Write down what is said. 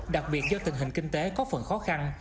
đặc biệt do tình hình kinh tế có phần khó khăn